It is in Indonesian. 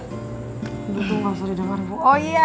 betul gak usah didengar oh iya